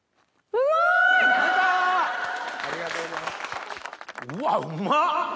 うわうまっ！